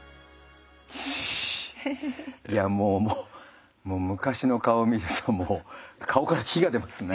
いやもう昔の顔を見ると顔から火が出ますね。